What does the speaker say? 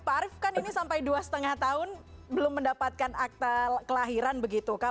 pak arief kan ini sampai dua lima tahun belum mendapatkan akta kelahiran begitu